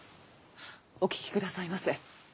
お聞き下さいませ。